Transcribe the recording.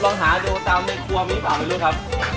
ลองหาดูตามในครัวมั้ยเปล่า